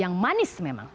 yang manis memang